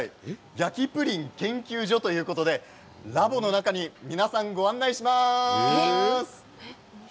焼きプリン研究所ということでラボの中に皆さんご案内します。